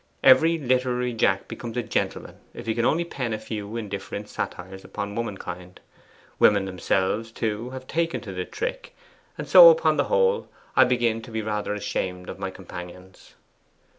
Every literary Jack becomes a gentleman if he can only pen a few indifferent satires upon womankind: women themselves, too, have taken to the trick; and so, upon the whole, I begin to be rather ashamed of my companions.